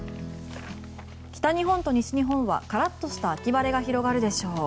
北日本と西日本はカラッとした秋晴れが広がるでしょう。